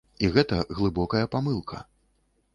І гэта глыбокая памылка.